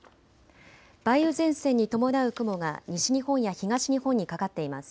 梅雨前線に伴う雲が西日本や東日本にかかっています。